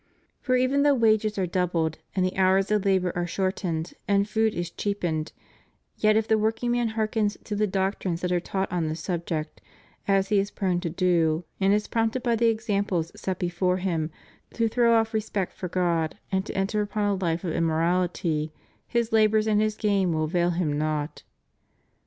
For even though wages are doubled and the hours of labor are shortened and food is cheapened, yet if the working man hearkens to the doctrines that are taught on this subject, as he is prone to do, and is prompted by the examples set before him to throw off respect for God and to enter upon a life of immorality, his labors and his gain will avail him naught.